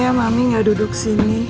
udah lama ya mami gak duduk sini